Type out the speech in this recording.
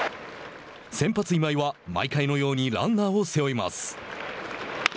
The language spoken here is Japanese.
先発今井は、毎回のようにランナーを背負います。